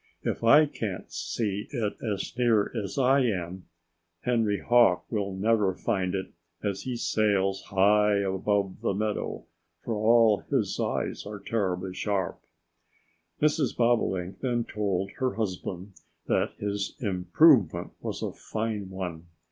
"If I can't see it as near as I am, Henry Hawk will never find it as he sails high above the meadow, for all his eyes are terribly sharp." Mrs. Bobolink then told her husband that his improvement was a fine one.